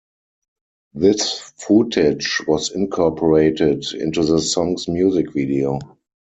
This footage was incorporated into the song's music video.